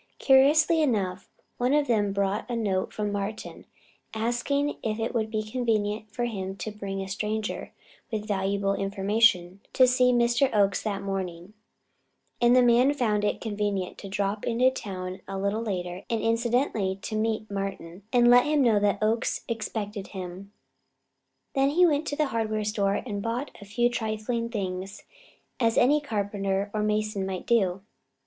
Curiously enough, one of them brought a note from Martin, asking if it would be convenient for him to bring a stranger, with valuable information, to see Mr. Oakes that morning; and the man found it convenient to drop into town a little later and incidentally to meet Martin and let him know that Oakes expected him. Then he went to the hardware store and bought a few trifling things, as any carpenter or mason might do.